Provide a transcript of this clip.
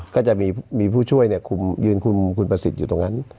ก็จะมีผู้ช่วยยืนคุมคุณประสิทธิ์อยู่ตรงนั้น